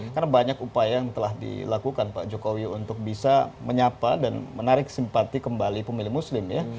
karena banyak upaya yang telah dilakukan pak jokowi untuk bisa menyapa dan menarik simpati kembali pemilih muslim ya